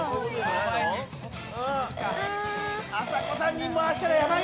あさこさんに回したらやばいよ。